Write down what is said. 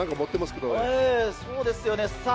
そうですよね、さあ